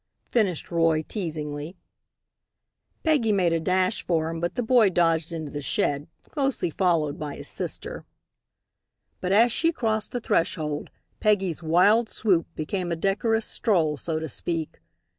finished Roy, teasingly. Peggy made a dash for him but the boy dodged into the shed, closely followed by his sister. But as she crossed the threshold Peggy's wild swoop became a decorous stroll, so to speak.